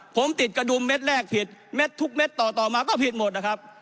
ผมติดกระดุมเม็ดแรกผิดเม็ดทุกเม็ดต่อมาก็ผิดหมดนะครับ